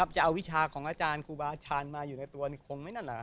จะเอาวิชาของอาจารย์ครูบาอาจารย์มาอยู่ในตัวนี่คงไหมนั่นเหรอ